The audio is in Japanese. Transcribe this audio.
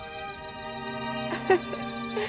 フフフ